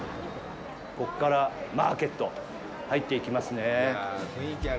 ここからマーケット、入っていきますね。